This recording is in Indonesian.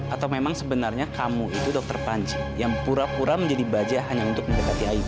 atau memang sebenarnya kamu itu dokter panci yang pura pura menjadi baja hanya untuk mendekati id